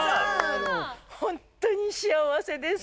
ホントに幸せです。